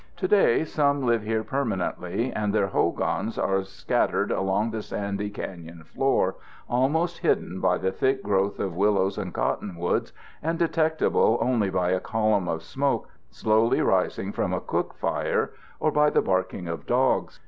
Today some live here permanently, and their hogans are scattered along the sandy canyon floor, almost hidden by the thick growth of willows and cottonwoods and detectable only by a column of smoke slowly rising from a cook fire or by the barking of dogs.